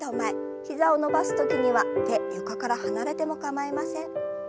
膝を伸ばす時には手床から離れても構いません。